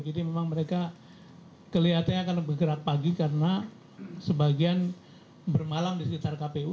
jadi memang mereka kelihatannya akan bergerak pagi karena sebagian bermalang di sekitar kpu